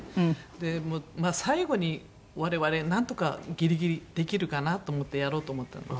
で最後に我々なんとかギリギリできるかなと思ってやろうと思ったのよ。